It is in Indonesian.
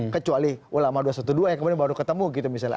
kecuali ulama dua ratus dua belas yang kemudian baru ketemu gitu misalnya